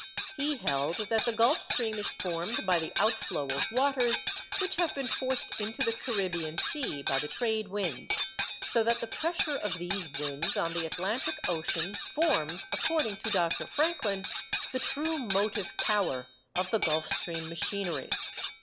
He held that the Gulf Stream is formed by the outflow of waters which have been forced into the Caribbean Sea by the trade winds; so that the pressure of these winds on the Atlantic Ocean forms, according to Dr. Franklin, the true motive power of the Gulf Stream machinery.